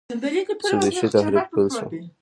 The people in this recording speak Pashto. سودیشي تحریک پیل شو.